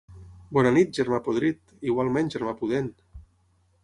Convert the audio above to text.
Bona nit, germà podrit! —Igualment, germà pudent!